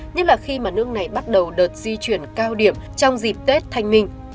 nhất là khi mà nước này bắt đầu đợt di chuyển cao điểm trong dịp tết thanh minh